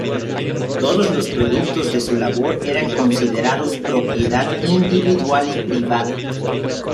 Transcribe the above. Todos los productos de su labor eran considerados propiedad individual y privada.